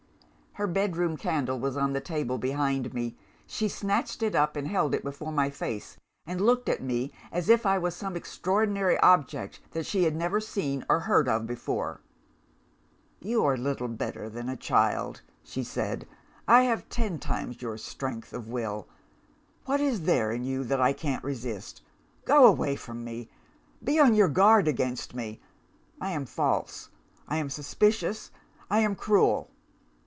"Her bedroom candle was on the table behind me. She snatched it up and held it before my face, and looked at me as if I was some extraordinary object that she had never seen or heard of before! 'You are little better than a child,' she said; 'I have ten times your strength of will what is there in you that I can't resist? Go away from me! Be on your guard against me! I am false; I am suspicious; I am cruel.